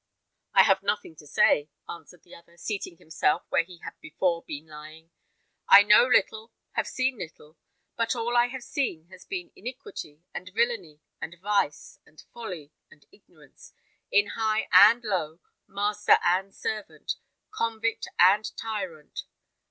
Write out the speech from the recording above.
"I have nothing to say," answered the other, seating himself where he had before been lying. "I know little, have seen little; but all I have seen has been iniquity, and villany, and vice, and folly, and ignorance, in high and low, master and servant, convict and tyrant.